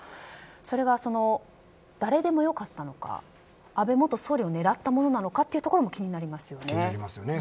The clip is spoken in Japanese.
それが誰でもよかったのか安倍元総理を狙ったものなのかということも気になりますよね。